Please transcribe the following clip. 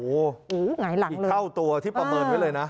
โอ้โหหงายหลังอีกเท่าตัวที่ประเมินไว้เลยนะ